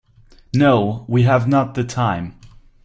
No, we have not the time.